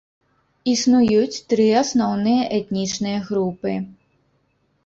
Існуюць тры асноўныя этнічныя групы.